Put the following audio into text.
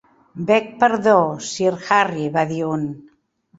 "Beg perdó, Sir Harry", va dir un.